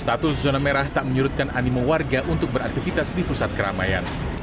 status zona merah tak menyurutkan animo warga untuk beraktivitas di pusat keramaian